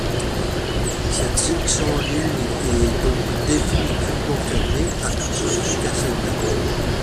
Cette section de ligne est donc définitivement fermée à tout trafic à cette date.